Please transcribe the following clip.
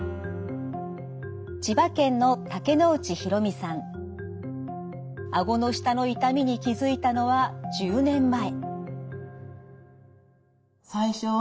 千葉県のあごの下の痛みに気付いたのは１０年前。